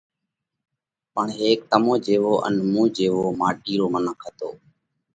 پڻ ھيڪ تمون جيوو ان مُون جيوو ماٽِي رو منک ھتو۔